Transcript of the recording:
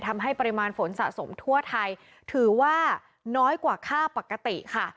ทำให้ปริมาณฝนสะสมทั่วไทยถือว่าน้อยกว่าค่าปกติค่ะ